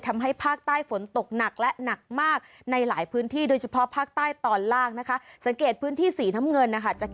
ทำให้ภาคใต้ฝนตกหนักและหนักมากในหลายพื้นที่